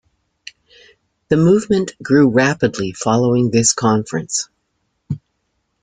The movement grew rapidly following this conference.